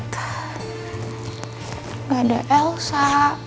gak ada elsa